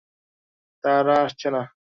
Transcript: তারা আসছে না।